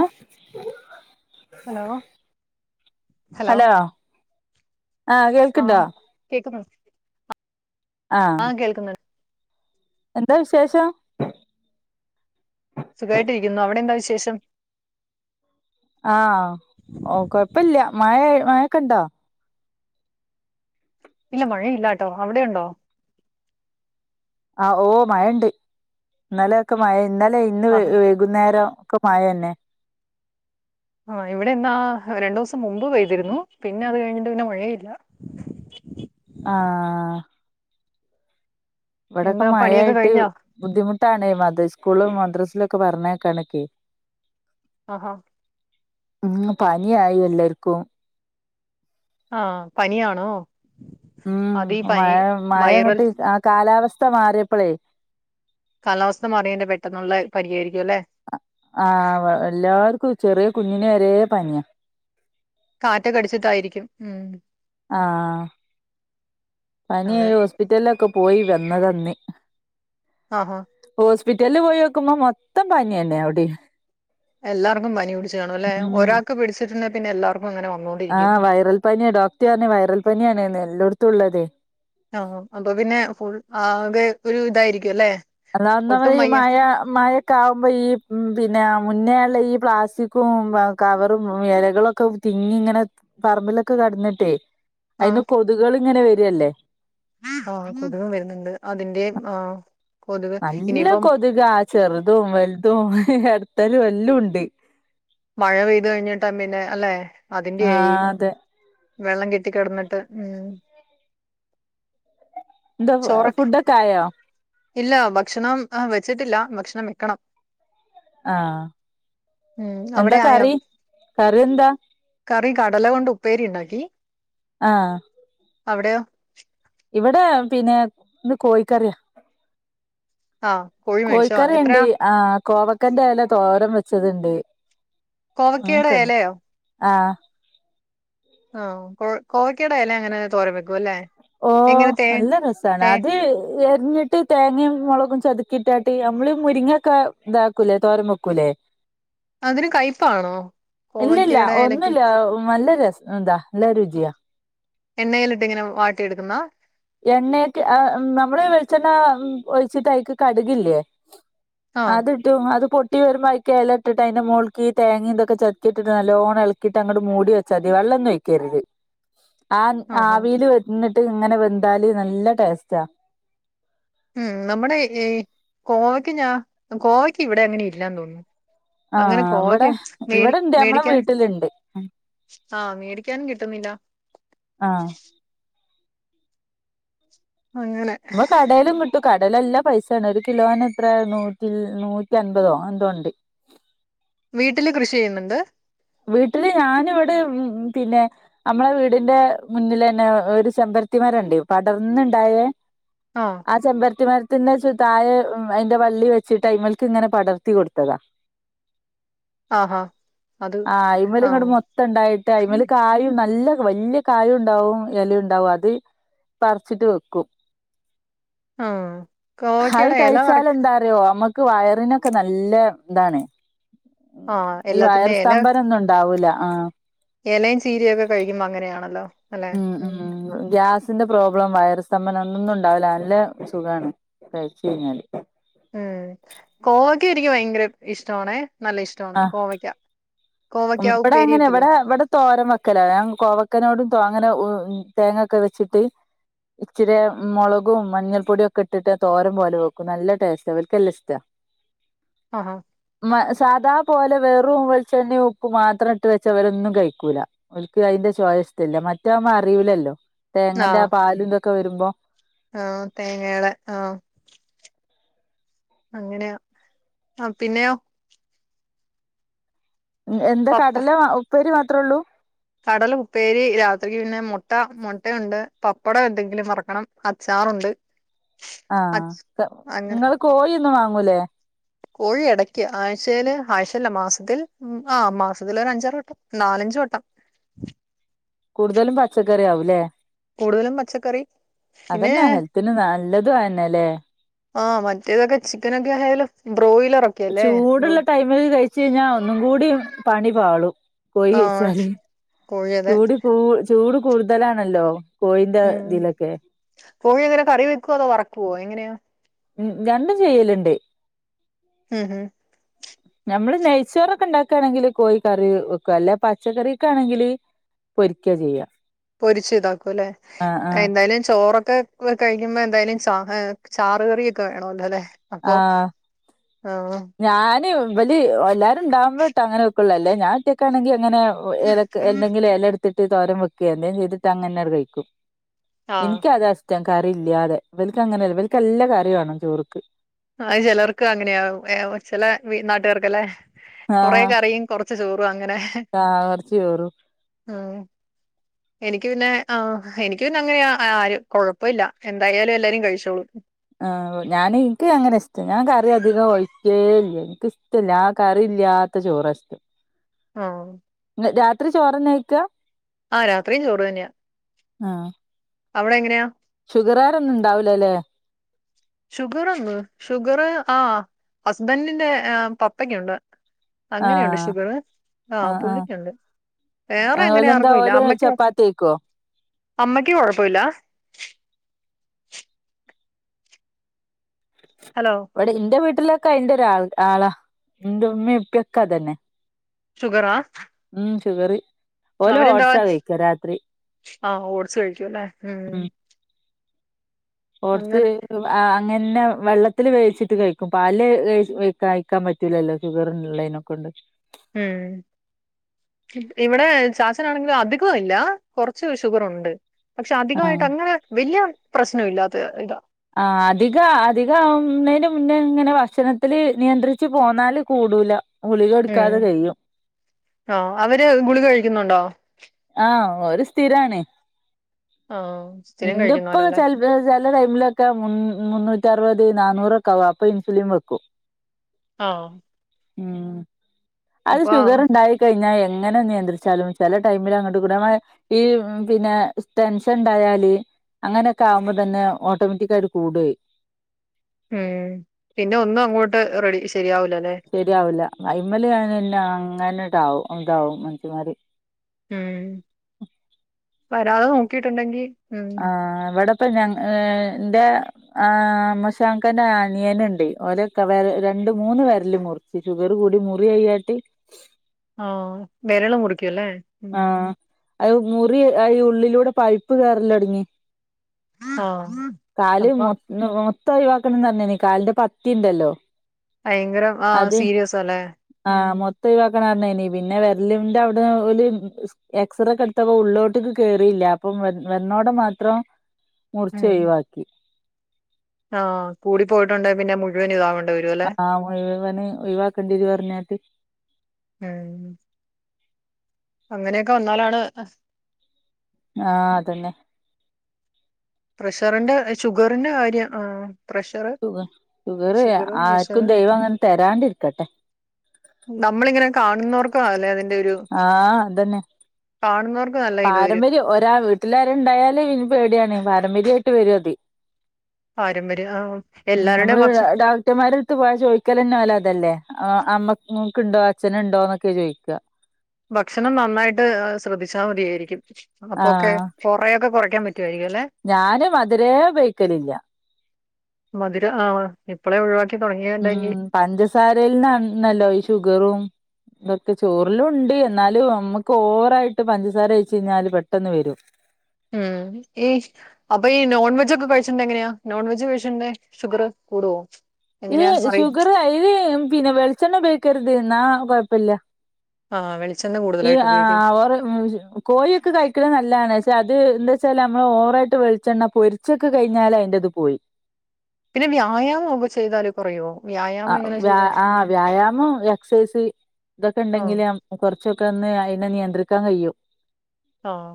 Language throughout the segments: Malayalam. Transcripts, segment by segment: ആ ഹലോ ഹലോ ആ കേൾക്ക്ണ്ടോ ആഹ് കേക്കുന്നു ആ ആഹ കേൾക്കുന്ന എന്താ വിശേഷം സുഖമായിട്ടിരിക്കുന്നു അവിടെ എന്താ വിശേഷം ആ ഓ കൊഴപ്പില്ല മഴ മഴൊക്കെ ഇണ്ടോ ഇല്ല മഴ ഇല്ലാട്ടോ അവിടെയുണ്ടോ ആ ഓ മഴണ്ട് ഇന്നലൊക്കെ മഴ ഇന്നലേ ഇന്ന് ആഹ് വൈകുന്നേരം ഒക്കെ മയ തന്നെ ആ ഇവിടെ ഇന്നാ രണ്ടു ദിവസം മുമ്പ് പെയ്തിരുന്നു പിന്നെ അത് കഴിഞ്ഞിട്ട് പിന്നെ മഴയില്ല ആ ഇവിടെക്കെ എന്താ പണിയൊക്കെ മഴായിട്ട് കഴിഞ്ഞോ ബുദ്ധിമുട്ടാണേ മദ്രസ സ്കൂൾ മദ്രസ [unintelligible] ആഹാ ഉം പനിയായി എല്ലർക്കും ആ പനിയണോ ഉം മഴ മഴ വൈറൽ ഇങ്ങട്ട് ആ കാലാവസ് ഥ മാറെപ്പളേ കാലാവസ്ഥ മാറിയെന് പെട്ടെന്നുള്ള പനിയായിരിക്കും അല്ലെ ആ ഇവ എല്ലാർക്കും ഇ ചെറിയ കുഞ്ഞിന് വരെ പനിയ കാറ്റ്ക്കൊ അടിച്ചിട്ടായിരിക്കും ഉം ആ അതെ പനിയായി ഹോസ്പിറ്റലിലൊക്കെ പോയി വന്നത് ഇന്ന് ആ ആ ഹോസ്പിറ്റലില് പോയോക്കുമ്പോ മൊത്തം പനിയെന്നെ അവിടം എല്ലാർക്കും പനി പിടിച്ച് കാണും അല്ലെ ഒരാൾക്ക് പിടിച്ചിട്ടെ പിന്നെല്ലാർക്കൂം ആ വൈറൽ പനിയ ഡോക്ട് പർഞ്ഞ് വൈറൽ പനിയാൺന്ന് എല്ലോട്ത്തും ഇള്ളതെ ആഹ് അപ്പൊ പിന്നെ ഫുൾ ആകെ ഒരു ഇതായിരിക്കും അല്ലെ അതാ ഒട്ടും ഒന്നാമതി ഈ വയ്യ മയ മഴൊക്കെ ആവുമ്പോ ഈ പിന്നെ മുന്നേ ഈ പ്ലാസ്റ്റിക്കും കവറും എലകളൊക്കെ തിങ്ങി ഇങ്ങനെ പറമ്പിലൊക്കെ കെടന്നിട്ടേ അയിന്ന് കൊതുകെൾ ഇങ്ങനെ വെ രെ അല്ലെ ആ കൊത്കും വെരുന്നുണ്ട് അതിന്റെ ആ നല്ല കൊതുകാ ചെറുതും വൽതും എടത്തരും എല്ലുണ്ട് മഴ പെയ്തു കഴിഞ്ഞിട്ടാ പിന്നെ അല്ലെ അതിന്റെ ആ ആയി അതെ വെള്ളം കെട്ടി കെട്ന്നിട്ട് ഉം എന്താ ചോറൊക്കെ ഫുഡൊക്കെ ആയോ ഇല്ല ഭക്ഷണം അ വെച്ചിട്ടില്ല ഭക്ഷണം വെക്കണം ആഹ് ഉം എന്താ അവിടെ ആയോ കറി കറി എന്താ കറി കടല കൊണ്ട് ഉപ്പേരി ഇണ്ടാക്കി ആഹ് അവ്ടെയോ ഇവിടെ പിന്നെ ഇന്ന് കോഴിക്കറിയ ആഹ് കോഴി മേടിച്ചോ കോഴിക്കറിണ്ട് എത്രയാ ആ കോവക്കന്റെ എല്ല തോരൻ വെ ച്ചത്ണ്ട് കോവക്കേടെ എലയോ ആ ആ കോവക്കേടെ എലങ്ങനെ തോരൻ വെക്കു അല്ലേ ഓ എങ്ങനെ തേ നല്ല രസാണ് തേ അത് എര്ഞ്ഞിട്ട് തേങ്ങേം മൊളകും ചത കിട്ടാട്ട് നമ്മള് മുരിങ്ങക്കെ താക്കൂലേ തോരൻ വെക്കൂല്ലേ അതിന് കയ്പ്പാണോ ഇല്ലില്ല കോവക്കയുടെ എലക്ക് ഒന്നുല്ല നല്ല രസ എന്താ ല്ല രുചിയാ എണ്ണയിലിട്ട് ങ്ങനെ വാട്ടി എടുക്ക്ന്നാ എണ്ണയൊക്കെ ആ നമ്മള് വെളിച്ചെണ്ണ ഒഴിച്ചിട്ട് അയ്ക്ക് കടുകില്ലേ ആഹ് അത്ട്ടും അത് പൊ ട്ടി വരുമ്പയ്ക്ക് എലട്ടിട്ട് അയ്ന്റെ മോൾക്കി തേങ്ങയും തൊക്കെ ചത്കിട്ടിട്ട് നല്ലോണ്ണം എൾക്കിട്ട് അങ്ങട്ട് മൂടി വെച്ചാ തി വല്ലൊന്നുഒയ്ക്കർത് ആ ആഹ് ആഹ് ആവീൽ വന്ന് ങ്ങനെ ന്താലി നല്ല ടേസ്റ്റാ ഉം നമ്മുടെ ഈ കോവയ്ക്ക ഞാൻ കോവയ്ക്ക ഇവിടങ്ങനെ ഇല്ലന്ന് തോന്നുന്നു അങ്ങനെ ആഹ് ഇവിടെ കോവക്ക മേടി ഇവിടെണ്ട് നമ്മളെ മേടിക്കാൻ വീട്ടിലുണ്ട് ആഹ് മേടിക്കാനും കിട്ടുന്നില്ല ആഹ് അങ്ങനെ മ്മ കടേലും ക് ട്ടും കടേലല്ല പൈസേണ് ഒരു കിലോനെ ത്രേ നൂറ്റി നൂറ്റി അൻപതോ എങ്ങനെന്തോണ്ട് വീട്ടില് കൃഷി യ്യുന്നുണ്ട് വീട്ടില് ഞാന് വടെ ഉം പിന്നെ നമ്മളെ വീടിന്റെ മുന്നിലെന്നെ ഒരു ചെമ്പര്ത്തിമരണ്ട് പടർന്ന്ണ്ടായേ ആ ചെമ്പർത്തി മര് പിന്നെ തായെ അയ്ന്റെ വള്ളി വെച്ചിട്ട് ഐമല്ക്ക് ങ്ങനെ പടർത്തി കൊട്ത്തതാ ആ ആ ആ അയ്മല്ങ്ങട്ട് മൊത്തം ണ്ടായിട്ട് അയ്മല് ഉം. കായും നല്ല വല്ല്യ കായുണ്ടാവും എലിണ്ടാവും അത് പറിച്ചിട്ട് വെക്കും ആഹ് അഹ് കഴിച്ചാലന്താ അറിയോ നമ്മ ക്ക് വയറിനൊക്കെ നല്ല താണ് ആ ഈ വയർ സ്തംഭനൊന്നു ണ്ടാവൂല ആ എലയും ചീരയൊക്കെ കഴിക്കുമ്പോ അങ്ങനെയാണല്ലോ അല്ലെ ഉം തിന്റെ പ്രോബ്ലം വൈറസ് സംമ്പനം ഒന്നൊന്നും ഉണ്ടാവില്ല നല്ല സുഗാണ് അത് അയച്ച് കഴിഞ്ഞാല് ഇത് എനിക്ക് ഭയങ്കര ഇഷ്ടവാണേ നല്ല ഇഷ്ടവാണ് ആ കോവയ്ക്ക ഉം കോവയ്ക്ക എവടാ ഉപ്പേരി ഇങ്ങനെ വെക്കില്ലേ ഇവിടെ ഇവിടെ തോരം വെക്കലാ ഞാൻ കോവക്കനോടും അങ്ങനെ ഉം തേങ്ങൊക്കെ വെച്ചിട്ട് ഇച്ചിരി മൊളകും മഞ്ഞൾപ്പൊടി ഒക്കെ ഇട്ടിട്ട് തോരം പോലെ വെക്കും നല്ല ടേസ്റ്റ് ഇവക്കെല്ലാം ഇഷ്ട ആഹാ സാധാ പോലെ വെറും വെളിച്ചെണ്ണിം ഉ ഉപ്പ് മാത്രം ഇട്ട് വെച്ച ഇവരൊന്നും കഴിക്കൂല ഓലക്ക് അയിൻ്റെ ചൊയ ഇഷ്ട്ടില്ല മറ്റവമ്മ അറിയൂലല്ലോ തേങ്ങന്റെ ആഹ് പാലുംതൊക്കെ വരുമ്പോ അഹ് തേങ്ങയുടെ അഹ് അങ്ങനെയാ ആഹ് പിന്നെയോ എന്ത് പപ്പ കടല ഉപ്പേരി മാ ഇത്രൊള്ളൂ കടല ഉപ്പേരി രാത്രിക്ക് പിന്നെ മൊട്ട മൊട്ടയുണ്ട് പപ്പടം എന്തെങ്കിലും മറക്കണം അച്ചാറുണ്ട് ആഹ് അച് ത അങ്ങനെ ഇങ്ങള് കോഴിയൊന്നും വാങ്ങ ങ്ങൂലെ കോഴി എടയ്ക്ക് ആഴ്ചേൽ ആഴ്ചല്ല മാസത്തിൽ ആഹ് ആഹ് മാസത്തിൽ അഞ്ചാറ് വട്ടം നാലഞ്ച് വട്ടം കൂടുതലും പച്ചക്കറി ആവൂല്ലേ കൂടുതലും പച്ചക്കറി പിന്നെ അതന്നാ ഹെൽത്തിന് നല്ലതും അയന്നലെ ആഹ് മറ്റേതൊക്കെ ചിക്കൻഒക്കെ ആയാലോ ചൂടള്ള ടൈമില് കഴിച്ച ചഴിഞ്ഞ ഒന്നുംകൂടിം പണി പാളും ആ കോഴിയയ്ച്ചാൽ കോഴി അതെ ചൂടി പോ ചൂട് കൂടുതലാണല്ലോ കോഴിന്റെ ഉം ഇതിലൊക്കെ കോഴി എങ്ങനെ കറി വെക്കുവ അതോ വറക്കുവോ എങ്ങനെയാ ഉം രണ്ടും ചെയ്യലുണ്ട് ഉം ഉം നമ്മള് നെയ്ച്ചോറൊക്കെ ഉണ്ടാക്കാണെങ്കിൽ കോഴ കറി വെക്കും അല്ലെ പച്ചക്കറീക്കാണെങ്കിൽ പൊരിക്ക ചെയ്യാ പൊരിച്ച് ഇതാക്കുംല്ലെ ആഹ് ആഹ് എന്തായാലും ചോറൊ ഒക്കെ കഴിക്കുമ്പോ എന്തായാലും ച ചാറ് കറിയൊക്കെ വേണമല്ലോ അല്ലേ അപ്പൊ ആഹ് ഞാനും ഇവല് ഓല ഇവിടെ ഉണ്ടാഅങ്ങനെ ല്ല ഞാൻഒറ്റക്കാണെങ്കിൽ അങ്ങനെെ എന്തെങ്കിലും ത്തിട്ട് തോരം വെക്കുക എന്തേം ചെയ്തിട്ട്ങ്ങനെട് കഴിക്കും ആഹ് ഇൻക്ക് അതാ ഇഷ് ട്ടം. കറി ഇല്ലാതെ ഇവലക്ക് അങ്ങനെ ഇവലക്ക് എല്ല കറി വേണം ചോറ്ക്ക് ആ ചിലർക്ക് അങ്ങനെയും ചില നാട്ടുകാർക്കല്ലേ കൊറെ ആഹ് കറിയും കൊറച്ച് ചോറും അങ്ങനെ ആഹ് കൊറച്ച് ചോറും ഉ എനിക്ക് എനിക്ക് പിന്നെ എനിക്ക് പിന്നെ അങ്ങനെ ആ കുഴപ്പമില്ല എന്തായാലും എല്ലാരും കഴിച്ചോളൂ ആഹ ഞാൻ എനിക്ക് അങ്ങനെ ഇഷ്ടം ഞാൻ കറി അധികം ഒഴിക്കേല്ല എനിക്ക ഇഷ്ടമല്ല ആ കറി ഇല്ലാത്ത ചോറ് ഇഷ്ടം ആഹ രാത്രി ചോറ് നേ കഴിക്കാ ആഹ് രാത്രിയും ചോറ് തന്നെയാ ആഹ് അവിടെ എങ്ങനെയാ ഷുഗറാരൊന്നും ഇണ്ടാവുലെ ഷുഗർന്ന് ഷുഗർ ആഹ് ഹസ്ബൻറിന്റെ പപ്പക്ക്യുണ്ട് അങ്ങനെയുണ്ട് ആഹ് ഷുഗർ ആഹ് പുള്ളിക്കുണ്ട് വേറെ ആഹ് അങ്ങനെ ഓലെന്താ ആർക്കും ഇല്ല ഓല് അമ്മക്ക് ഓക്സ് ചപ്പാത്തിയ്ക്കോ അമ്മയ്ക്ക് കൊഴപ്പുല്ല ഹലോ ഇവിടെ ഇന്റെ വീട്ട ഇല്ലോക്കെ അയിന്റെ ഒരാൾ ആളാ ഇന്റെ ഉമ്മിം ഉപ്പ്യ ഒക്കെ അതെന്നെ ഷുഗറാ ഇ വറി [unintelligible] അവരെന്താവാ ആഹ് ഓട്സ് കഴിക്കൂ ല്ലേ ഉം ഓട്സ് അങ്ങനെ ആഹ് ഇനഇന്നെഹ് വെള്ളത്തില് വേവിച്ചിട്ട് കഴിക്കും പാല് ല് കഴിക്കാൻ പറ്റൂല്ലല്ലോ ഷുഗറിള്ളയ്നൊക്കെ കൊണ്ട് ഉം ഇവിടെ ചാച്ചൻ ആണെങ്കില് അധികോ ഇല്ല കൊറച്ച് ഷുഗറുണ്ട് പക്ഷെ അധികായിട്ട് ആഹ് അങ്ങനെ വല്ല്യ പ്രശ്നൊ ഇല്ലാത്തെ ഇതാ ആഹ് അധിക അധിക ആവുന്നേ ന്തെമുന്നേ ഇങ്ങനെ ഭക്ഷണത്തില് നിയന്ത്രിച്ച് പോന്നാല് കൂടൂല ഗുളിക ഉം എടുക്കാതെ കഴിയും ആ അവര് കുളിക കഴിക്കുന്നുണ്ടോ ആഹ് ഒരു സ്ഥിരാണ് ആ സ്ഥിരം ഇന്റെ പ്പാ കഴിക്കുന്നവരല്ലേ ചി ചില ടൈമിലൊക്കെ മുൻ മുൻ മുന്നൂറ്റി അറുപത് നാനൂറക്കോ ആവും അപ്പ ഇൻസുലിൻ വക്കും ആഹ് ഉം അത് ഷുഗർ ഇണ്ടായി കഴിഞ്ഞാൽ എങ്ങനെ നിയന്ത്രിച്ചാലും ചെല ടൈമിൽ അങ്ങോട്ട് കൂട ഈ പിന്നെ ടെൻഷൻ ണ്ടായല് അങ്ങനെയൊക്കെ ആകുമ്പോ തന്നെ ഓട്ടോമാറ്റിക് ആയിട്ട് കൂട അഹ് ഉം പിന്നെ ഒന്നും അങ്ങോട്ട് റെഡി ശ് ശരിയാവില്ല അയിമൽ ഞന്നെ അങ്ങനെ [unintelligible] ന്താവും മനുഷ്യന്മാർ ഉം വരാതെ നോക്കിട്ടുണ്ടെങ്കിൽ ആ ഇവട അപ്പ ഞാ എന്റെ ആ ആമ്മശാക്കന്റെ അനിയനുണ്ട് ഓരക്കെ വെര രണ്ട് മൂന്ന് വെരല് മുറിച്ച് ഷുഗർ കൂടി മുറി അയ്യാട്ട് ആ വെരൾ മുറി ക്ക്വല്ലേ ഉം ഉം ആഹ് അത് മുറി ഈ ഉള്ളിലൂടെ പൈപ്പ് കേറല്ലൊടങ്ങി ആ കാല് അപ്പൊ മൊ ത്തം ഒഴിവാക്കണന്ന് പറഞ്ഞാ കാലിന്റെ പത്തിണ്ടല്ലോ ഭയങ്കരം ആ സീരിയസാ അല്ലേ ഉം ആഹ് മൊത്തം ഒഴിവാക്കണം പറഞ്ഞേനി പിന്നെ വെരലിന്റെ അവിടെ ഒരു എക്സറേ കെ എടുത്തപ്പോ ഉള്ളോട്ട്ക്ക് കേറിയില്ല അപ്പം വ വെണ്ണോടെ മാത്രം മുർച്ച് ഒഴിവാക്കി ആഹ് കൂടി പോയിട്ടുണ്ട് പിന്നെ മുഴുവന് ഇതാവണ്ട് ആഹ മുഴുവന് ഒഴിവാക്കണ്ടിത് പറഞ്ഞട്ട് ഉം അങ്ങനെയൊക്കെ വന്നാലാണ് ആഹ അതന്നെ പ്രഷറിന്റെ ഷുഗറിന്റെ കാര്യം ആ പ്രഷറ് ഷുഗർ ഷുഗർ ഷുഗറ് ആർക്കും പ്രഷറ് ദൈവം അങ്ങനെ തരാണ്ടിരിക്കട്ടെ നമ്മളിങ്ങനെ [unintelligible] ആ അതന്നെ കാണുന്നവർക്ക് നല്ല ഇത് വരും പാരമ്പര്യം ഓരാ വീട്ടിലാരണ്ടായാലേ ഇനി പേടിയാണെ മിരി ആയിട്ട് വരും അതി പാരമ്പര്യം ആ ഉം നമ്മള് എല്ലാവരുടെയും ഭക്ഷ ഡോക്ടർമാരെടുത്ത് പോയാ ചോദിക്കലന്നാലോ അതല്ലേ ആ അമ്മക്ക് ഇണ്ടോ അച്ഛനുണ്ടോ എന്നൊക്കെ ചോദിക്കുക ഭക്ഷണം നന്നായിട്ട് ശ്രദ്ധിച്ചാൽ മതിയായിരിക്കും അപ്പൊക്കെ ആഹ് കൊറയൊക്കെ കൊറക്ക ഞാന് മതിരേ ഉപയിക്കലില്ല മധുരം ആ ഇപ്പളെ ഒഴിവാക്കി ഉം തുടങ്ങിയുണ്ടെങ്കിൽ പഞ്ചസാരയിൽന്നാണന്നല്ലോ ഷുഗറും ഇതൊക്കെ ചോറിലും ഉണ്ട് എന്നാലും നമ്മുക്ക് ഓവറായിട്ട് പഞ്ചസാര കഴിച്ച് കഴിഞ്ഞാല് പെട്ടെന്ന് വരും ഉം ഈ അപ്പൊ ഈ നോൺ വെജ് ഒക്കെ കഴിച്ചിട്ടുണ്ടേ എങ്ങനെയാ നോൺ വെജ് കഴിച്ചിട്ട ഷുഗർ കൂടുവോ ഇന് എങ്ങനെയാ അറി ഷുഗർ യുവി പിന്നെ വെളിച്ചെണ്ണ ഉപയോഗിക്കരുത് എന്നാ കോഴപ്പില്ല ആഹ വെളി ഈ ആ അവോർ മം കോഴിയൊക്കെ കഴിക്കണത് നല്ലാണ് പക്ഷെ അത് എന്താ വെച്ചാല് നമ്മള് ഓറായിട്ട് വെളിച്ചെണ്ണ പൊരിച്ചൊക്കെ കഴിഞ്ഞാല് അതിന്റെറത് പോയി പിന്നെ വ്യായാമം ഒക്കെ ചെയ്താല് കുറയോ ആ വ്യായാമം എങ്ങനെ വ്യ ചെയ്താ? ആഹ് വ്യായാമം എക്സസൈസ് ഇതൊക്കെ ആഹ് ഉണ്ടെങ്കില നമ്മക്ക് കുറച്ച് ച്ചൊക്കെന്ന് അയിെ നിയന്ത്രിക്കാൻ കഴിയും ആഹ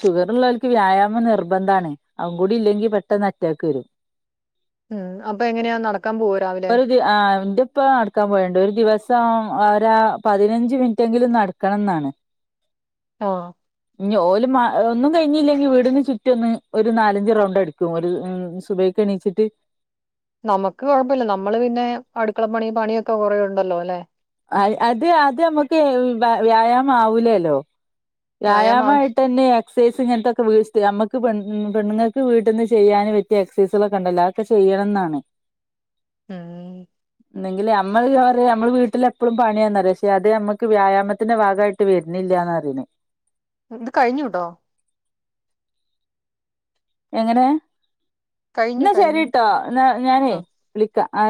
ഷുഗർ ഉള്ളോർക്ക് വ്യായാമ നിർബന്ധണ് അവുകൂടില്ലെങ്കി പെട്ടെന്ന് അറ്റാക്ക് വരും ഉം അപ്പൊ എങ്ങനെയാ നടക്കാൻ പോവോ രാവിലെ? ഒരു ദ ആ എതിപ്പ നടക്കാൻ പോയണ്ട് ഒരു ദിവസ ഒരു സം രാ പതിനഞ്ച് മിനിറ്റെങ്കിലും നടക്കണം എന്നാണ് ആഹ ഇഞ് ഓല് ഒന്നും കഴിഞ്ഞില്ലെങ്കിൽ വീടിന് ചുറ്റൊന്ന് ഒരു നാലഞ്ച് റൗണ്ട് അടക്കും ഒരു സുബഹിക് എണീച്ചിട്ട് നമുക്ക് കുഴപ്പമില്ല നമ്മള് പിന്നെ അടുക്കളപ്പണി പണിയൊക്കെ കുറേ ഉണ്ടല്ലോ ല്ലെ അ അത് അത് നമ്മുക്ക് വ വ്യായാമ ആവുല്ലല്ലോ വ്യായാമം ആവശ്യ വ്യായാമായിട്ട് ന്നെയ സെസ്സിന് ൻതോക്കെ വീഴ് നമ്മുക്ക് പെണ്ണ് പെണ്ണുങ്ങക്ക് വീട്ടിൽന്ന് ചെയ്യാൻ പറ്റിയ എക്സസൈസുകളൊക്കെ ഉണ്ടല്ലോതൊക്കെ ചെയ്യണം എന്നാണ് ഉം എന്തെങ്കിൽ നമ്മ പറയാ നമ്മൾ വീട്ടിലെ എപ്പഴും പണി തന്നല്ലേ പക്ഷെ അത് നമ്മുക്ക് വ്യായാമത്തിന്റെ ഭാഗമായിട്ട് വേർന്നില്ലന്നാപറണേ ഇത് കഴിഞ്ഞുട്ടോ എങ്ങനെ കഴിഞ്ഞു ഇന്നാ കഴിഞ്ഞു. ശരിട്ടോ എന്നാ ആഹ്. ഞാനേ വിളിക്കാം ആ